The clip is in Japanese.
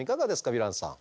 ヴィランさん。